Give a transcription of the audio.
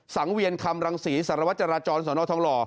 สังเวียนคำรังศรีสารวัตรจราจรสนทองหล่อ